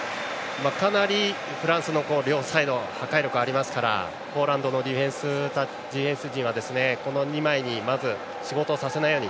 かなりフランスの両サイド、破壊力がありますからポーランドのディフェンス陣はこの２枚にまず、仕事をさせないように。